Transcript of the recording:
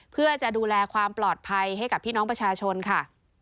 เพื่อจะดูแลความปลอดภัยให้กับพี่น้องประชาชนค่ะ